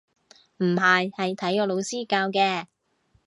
唔係，係體育老師教嘅